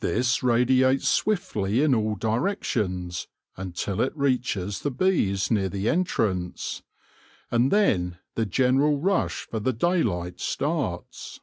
This radiates swiftly in all directions until it reaches the bees near the entrance, and then the general rush for the daylight starts.